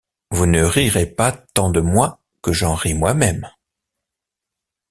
Vous ne rirez pas tant de moi que j’en ris moi-même!